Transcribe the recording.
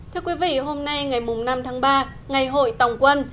thưa quý vị hôm nay ngày năm tháng ba ngày hội tòng quân